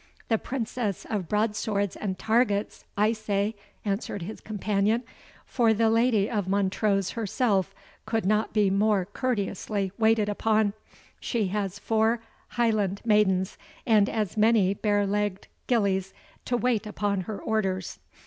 "The Princess of Broadswords and Targets, I say," answered his companion; "for the Lady of Montrose herself could not be more courteously waited upon; she has four Highland maidens, and as many bare legged gillies, to wait upon her orders."